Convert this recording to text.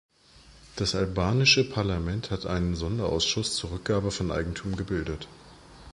Das albanische Parlament hat einen Sonderausschuss zur Rückgabe von Eigentum gebildet.